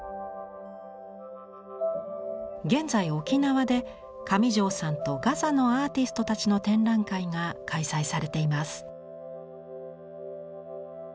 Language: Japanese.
現在沖縄で上條さんとガザのアーティストたちの展覧会が開催されています。